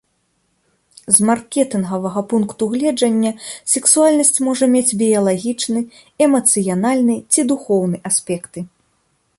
З маркетынгавага пункту гледжання сексуальнасць можа мець біялагічны, эмацыянальны ці духоўны аспекты.